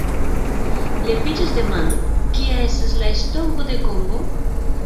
Leviĝas demando: kia estas la estonto de Kongo?